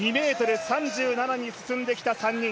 ２ｍ３７に進んできた３人。